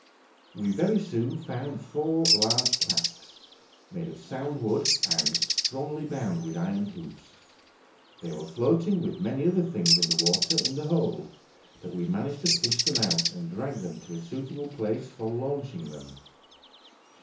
We very soon found four large casks, made of sound wood, and strongly bound with iron hoops; they were floating with many other things in the water in the hold, but we managed to fish them out, and drag them to a suitable place for launching them.